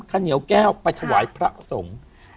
คาเหนียวแก้วไปถวายพระส่ง